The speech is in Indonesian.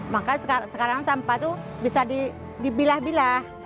maka sekarang sampah itu bisa dibilah bilah